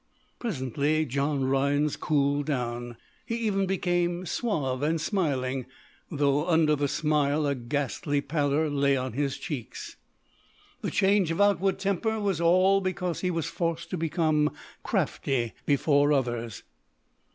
Presently, John Rhinds cooled down. He even became suave and smiling though under the smile a ghastly pallor lay on his cheeks. This change of outward temper was all because he was forced to become crafty before others.